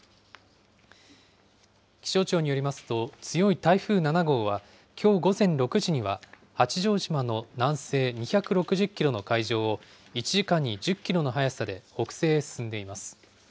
気象庁によりますと、強い台風７号は、きょう午前６時には八丈島の南西２６０キロの海上を１時間に１０キロの速さで北西へ進んでいます。